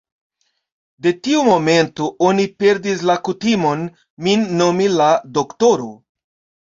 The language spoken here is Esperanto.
De tiu momento, oni perdis la kutimon, min nomi la doktoro.